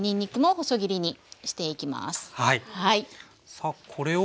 さあこれを。